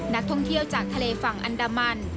นักท่องเที่ยวจากทะเลฝั่งอันดามัน